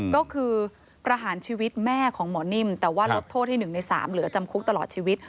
ก็คือประหารชีวิตแม่ของหมอนิ่มแต่ว่าลดโทษให้๑ใน๓เหลือจำคุกตลอดชีวิต